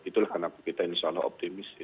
itulah kenapa kita insya allah optimis